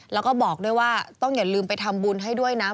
แล้วก็บอกด้วยว่าต้องอย่าลืมไปทำบุญให้ด้วยนะ